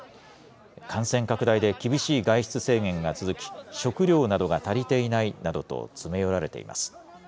感染拡大で厳しい外出制限が続き、食料などが足りていないなどと詰め寄られています。